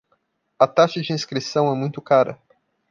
A taxa de inscrição é muito cara